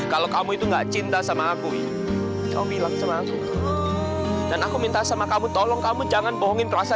kalo kamu itu gak datang pasang ke nouvelles